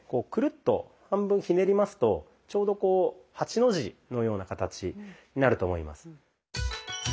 くるっと半分ひねりますとちょうどこう８の字のような形になると思います。